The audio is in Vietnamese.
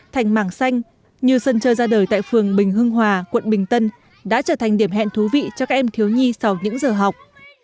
thành mảng xanh như sân chơi ra đời tại phường bình hưng hòa quận bình tân đã trở thành điểm hẹn thú vị cho các em thiếu nhi sau những giờ học